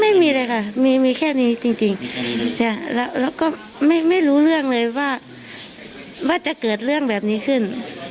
ไม่มีเลยค่ะมีมีแค่นี้จริงแล้วก็ไม่รู้เรื่องเลยว่าจะเกิดเรื่องแบบนี้ขึ้น